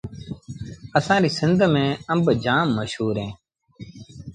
اسآݩ ريٚ سنڌ ميݩ آݩب جآم مشهور اوهيݩ